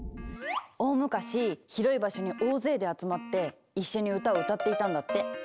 大むかし広い場所に大勢で集まって一緒に歌を歌っていたんだって。